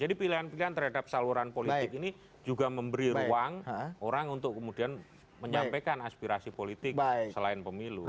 pilihan pilihan terhadap saluran politik ini juga memberi ruang orang untuk kemudian menyampaikan aspirasi politik selain pemilu